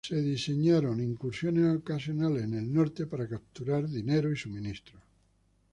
Incursiones ocasionales en el Norte fueron diseñados para capturar dinero y suministros.